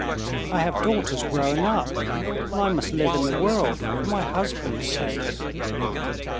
I have daughters growing up, and I must live in the world for my husband's sake.